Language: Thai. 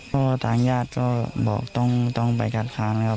ก็ทางญาติก็บอกต้องไปคัดค้านนะครับ